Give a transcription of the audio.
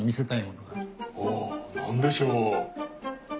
お何でしょう？